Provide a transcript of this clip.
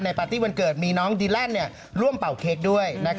ปาร์ตี้วันเกิดมีน้องดีแลนด์ร่วมเป่าเค้กด้วย